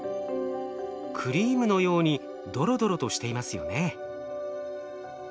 クリームのようにドロドロとしていますよね。